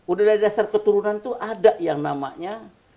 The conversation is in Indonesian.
udah dari dasar keturunan itu ada yang namanya